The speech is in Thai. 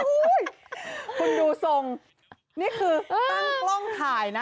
อุ้ยคุณดูทรงนี่คือตั้งกล้องถ่ายนะ